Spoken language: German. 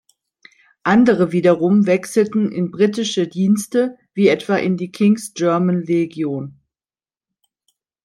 Andere wiederum wechselten in britische Dienste, wie etwa in die King’s German Legion.